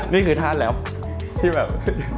นี่คือท่านแล้วที่แบบ